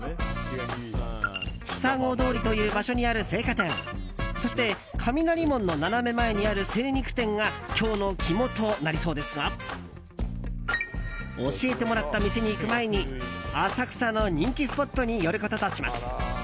ひさご通りという場所にある青果店そして雷門の斜め前にある精肉店が今日の肝となりそうですが教えてもらった店に行く前に浅草の人気スポットに寄ることとします。